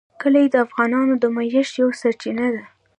کلي د افغانانو د معیشت یوه سرچینه ده.